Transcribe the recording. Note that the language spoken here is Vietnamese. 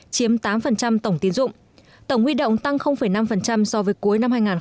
chiếm tám tổng tín dụng tổng huy động tăng năm so với cuối năm hai nghìn một mươi bảy